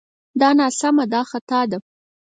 دا ناسمه دا خطا ده